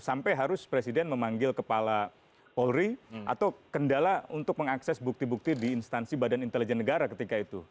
sampai harus presiden memanggil kepala polri atau kendala untuk mengakses bukti bukti di instansi badan intelijen negara ketika itu